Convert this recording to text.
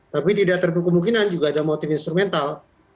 tapi di data terdiri dari kemungkinan juga ada motif instrumental